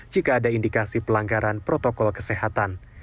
jika ada indikasi pelanggaran protokol kesehatan